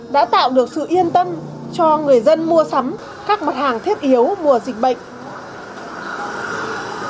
đã tạo được sự yên tâm cho người dân mua sắm các mặt hàng thiết yếu mùa dịch bệnh